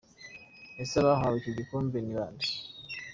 Ese abahawe icyo gikombe ni bande?